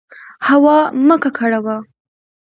هوا مه ککړوه.